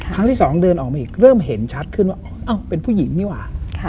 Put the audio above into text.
ครั้งที่สองเดินออกมาอีกเริ่มเห็นชัดขึ้นว่าเป็นผู้หญิงนี่หว่า